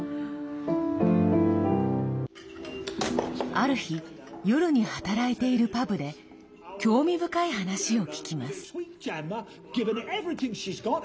ある日、夜に働いているパブで興味深い話を聞きます。